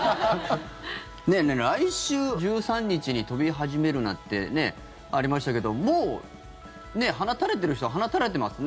来週１３日に飛び始めるなってありましたけどもう鼻垂れてる人は鼻垂れてますね。